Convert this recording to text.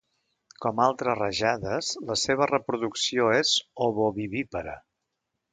Com altres rajades, la seva reproducció és ovovivípara.